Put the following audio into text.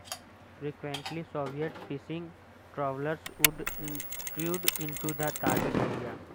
Frequently, Soviet "fishing trawlers" would intrude into the target area.